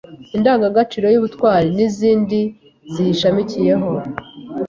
indangagaciro y’Ubutwari n’izindi ziyishamikiyeho